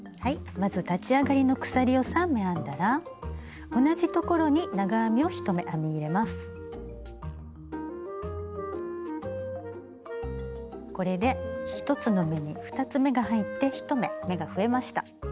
まず立ち上がりの鎖を３目編んだら同じところにこれで１つの目に２つ目が入って１目目が増えました。